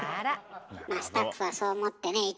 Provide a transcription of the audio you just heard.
まあスタッフはそう思ってね